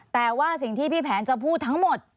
แต่ว่าสิ่งที่พี่แผนจะพูดทั้งหมด